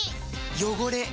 汚れ。